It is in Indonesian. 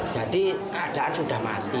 jadi keadaan sudah mati